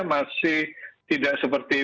masih tidak seperti